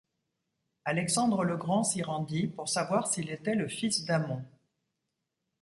Alexandre le Grand s'y rendit pour savoir s'il était le fils d'Amon.